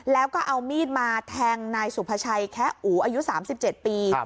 แล้วก็เอามีดมาแทงนายสุภาชัยแคะอูอายุ๓๗ปี